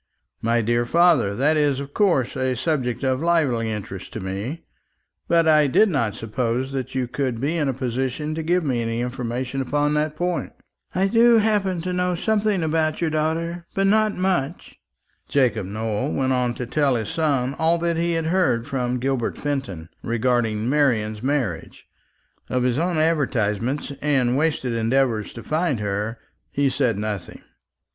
"My dear father, that is of course a subject of lively interest to me; but I did not suppose that you could be in a position to give me any information upon that point." "I do happen to know something about your daughter, but not much." Jacob Nowell went on to tell his son all that he had heard from Gilbert Fenton respecting Marian's marriage. Of his own advertisements, and wasted endeavours to find her, he said nothing.